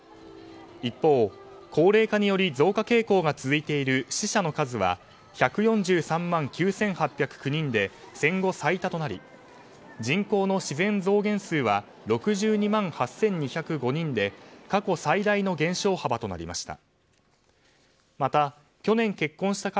一方、高齢化により増加傾向が続いている死者の数は１４３万９８０９人で戦後最多となり人口の自然増減数は６２万８２０５人で過去最大の減少幅となりました。